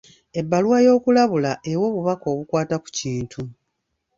Ebbaluwa y'okulabula ewa obubaka obukwata ku kintu.